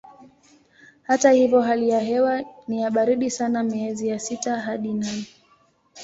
Hata hivyo hali ya hewa ni ya baridi sana miezi ya sita hadi nane.